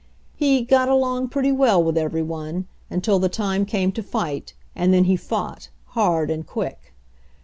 He "got along pretty well" with every one, until the time came to fight, and then he fought, hard and quick.